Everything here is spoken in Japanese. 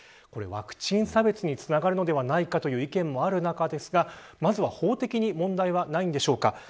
これ、ワクチン差別につながるのではないかという意見ですがまずは法的に問題はないのでしょうか。